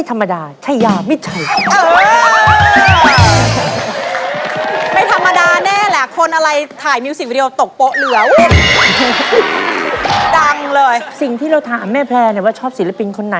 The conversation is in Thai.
ทำไมควรจะปิดคุณมากยากให้ไหนคะ